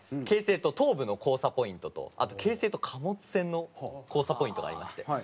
京成と東武の交差ポイントとあと京成と貨物線の交差ポイントがありまして。